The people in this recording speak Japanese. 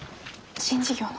新事業の？